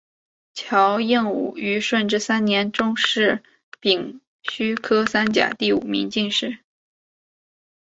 乔映伍于顺治三年中式丙戌科三甲第五名进士。